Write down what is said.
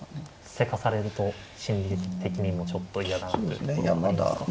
せかされると心理的にもちょっと嫌なところありますか。